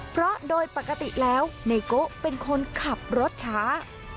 เพราะโดยปกติแล้วไนโกะเป็นคนขับรถช้า